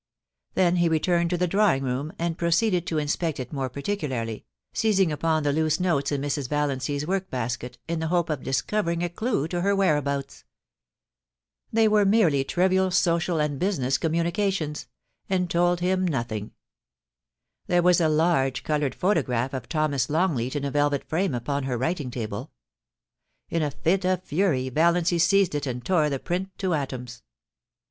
Then he returned to the drawing room, and proceeded to inspect it more particularly, seizing upon the loose notes in Mrs. Valiancy's work basket, in the hope of discovering a clue to her whereabouts. They were merely trivial, social and business communications, and told him nothing. There was a large coloured photograph of Thomas Longleat in a velvet frame upon her writing table. In a fit of fury Valiancy seized it and tore the print to atoms.